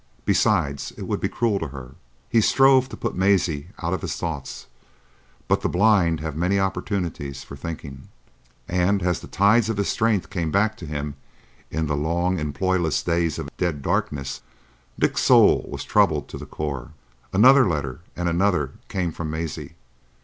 Besides, it would be cruel to her." He strove to put Maisie out of his thoughts; but the blind have many opportunities for thinking, and as the tides of his strength came back to him in the long employless days of dead darkness, Dick's soul was troubled to the core. Another letter, and another, came from Maisie.